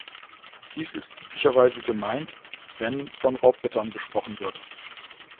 Dies ist üblicherweise gemeint, wenn von Raubrittern gesprochen wird.